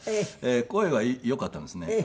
声はよかったんですね。